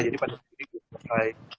jadi pada saat ini sudah selesai